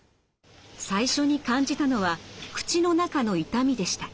最初に感じたのは口の中の痛みでした。